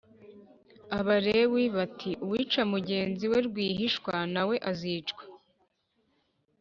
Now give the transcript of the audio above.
Abalewi bati Uwica mugenzi we rwihishwa nawe azicwa